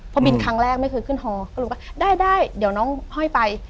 พอบินครั้งแรกไม่เคยขึ้นฮอได้เดี๋ยวน้องห้อยไป